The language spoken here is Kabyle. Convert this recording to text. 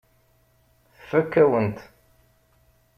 Tfakk-awen-t.